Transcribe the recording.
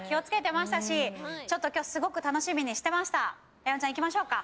ライオンちゃん行きましょうか。